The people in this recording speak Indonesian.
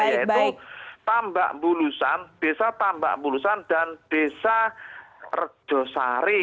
yaitu tambak bulusan desa tambak bulusan dan desa redosari